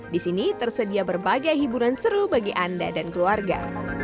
di sini tersedia berbagai hiburan seru bagi anda dan keluarga